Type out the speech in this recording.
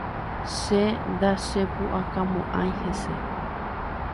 Che ndachepuʼakamoʼãi hese.